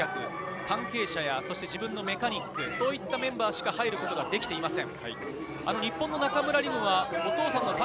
関係者や自分のメカニック、そういったメンバーしか入ることができません。